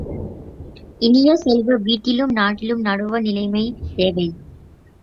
இனிய செல்வ, வீட்டிலும் நாட்டிலும் நடுவு நிலைமை தேவை.